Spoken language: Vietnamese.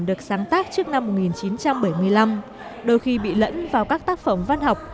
được sáng tác trước năm một nghìn chín trăm bảy mươi năm đôi khi bị lẫn vào các tác phẩm văn học